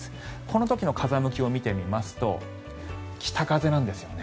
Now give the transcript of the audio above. この時の風向きを見ますと北風なんですよね。